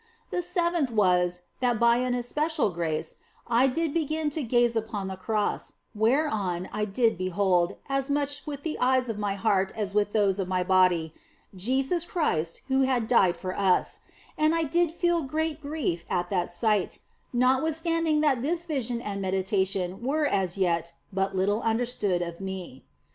The seventh was, that by an especial grace I did begin to gaze upon the Cross, whereon I did behold (as much with the eyes of my heart as with those of my body) Jesus Christ who had died for us, and I did feel great grief at 4 THE BLESSED ANGELA that sight, notwithstanding that this vision and medita tion were as yet but little understood of me.